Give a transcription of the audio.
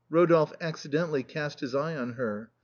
Eodolphe accidentally cast his eye on her.